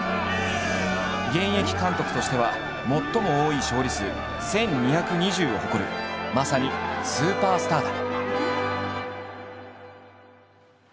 現役監督としては最も多い勝利数１，２２０を誇るまさにスーパースターだ。